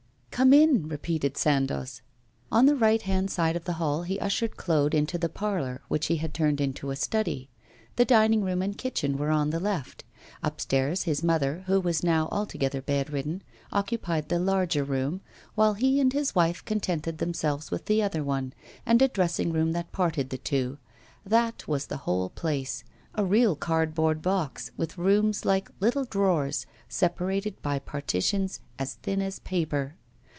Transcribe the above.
'Come in,' repeated Sandoz. On the right hand side of the hall he ushered Claude into the parlour, which he had turned into a study. The dining room and kitchen were on the left. Upstairs, his mother, who was now altogether bedridden, occupied the larger room, while he and his wife contented themselves with the other one, and a dressing room that parted the two. That was the whole place, a real cardboard box, with rooms like little drawers separated by partitions as thin as paper.